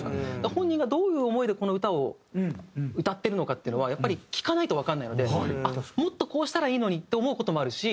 本人がどういう思いでこの歌を歌っているのかっていうのはやっぱり聴かないとわからないのでもっとこうしたらいいのにって思う事もあるし。